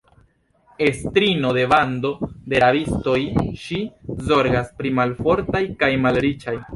Estrino de bando de rabistoj, Ŝi zorgas pri malfortaj kaj malriĉaj.